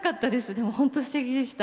でも本当にすてきでした。